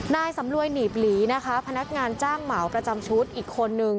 นายสำรวยหนีบหลีนะคะพนักงานจ้างเหมาประจำชุดอีกคนนึง